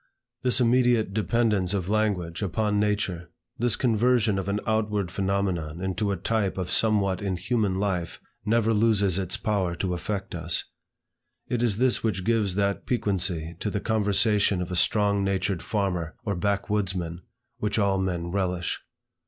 This immediate dependence of language upon nature, this conversion of an outward phenomenon into a type of somewhat in human life, never loses its power to affect us. It is this which gives that piquancy to the conversation of a strong natured farmer or back woodsman, which all men relish.